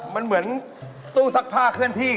มันเหมือนตู้ซักผ้าเคลื่อนที่